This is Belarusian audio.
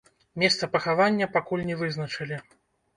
Месца пахавання пакуль не вызначылі.